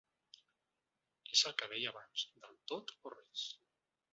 És el que deia abans del tot o res.